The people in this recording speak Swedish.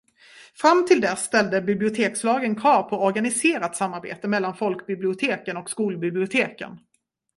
Fram till dess ställde bibliotekslagen krav på organiserat samarbete mellan folkbiblioteken och skolbiblioteken.